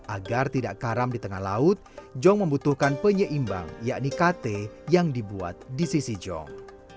agar tidak karam di tengah laut jong membutuhkan penyeimbang yakni kate yang dibuat di sisi jong